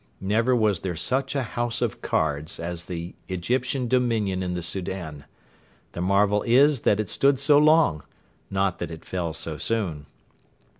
Never was there such a house of cards as the Egyptian dominion in the Soudan. The marvel is that it stood so long, not that it fell so soon.